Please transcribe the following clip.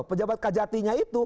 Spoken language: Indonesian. pejabat kejatinya itu